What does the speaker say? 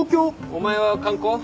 お前は観光？